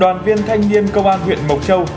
đoàn viên thanh niên công an huyện mộc châu